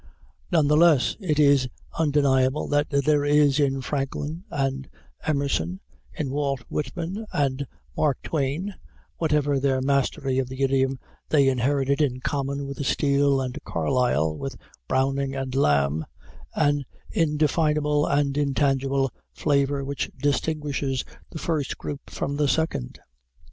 None the less is it undeniable that there is in Franklin and Emerson, in Walt Whitman and Mark Twain, whatever their mastery of the idiom they inherited in common with Steele and Carlyle, with Browning and Lamb, an indefinable and intangible flavor which distinguishes the first group from the second.